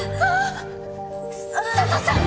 佐都さん！